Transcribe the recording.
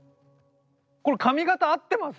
これ髪形合ってます？